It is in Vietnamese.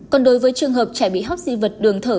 còn đối với trường hợp trẻ bị hóc di vật đường thở